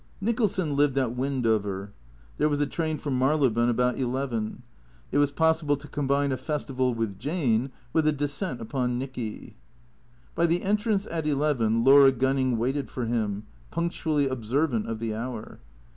Nicholson lived at Wendover. There was a train from Mary lebone about eleven. It was possible to combine a festival for Jane with a descent upon Nicky. By the entrance, at eleven, Laura Gunning waited for him, punctually observant of the hour.